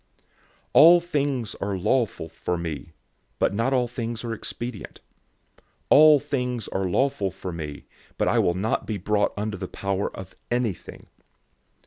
006:012 "All things are lawful for me," but not all things are expedient. "All things are lawful for me," but I will not be brought under the power of anything.